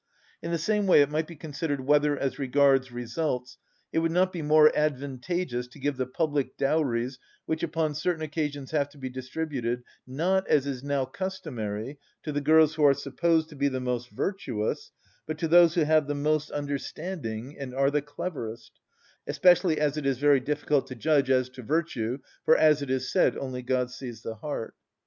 (36) In the same way, it might be considered whether, as regards results, it would not be more advantageous to give the public dowries which upon certain occasions have to be distributed, not, as is now customary, to the girls who are supposed to be the most virtuous, but to those who have most understanding and are the cleverest; especially as it is very difficult to judge as to virtue, for, as it is said, only God sees the heart.